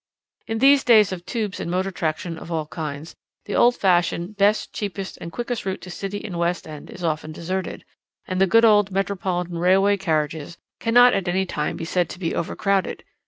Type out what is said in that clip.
"In these days of tubes and motor traction of all kinds, the old fashioned 'best, cheapest, and quickest route to City and West End' is often deserted, and the good old Metropolitan Railway carriages cannot at any time be said to be overcrowded.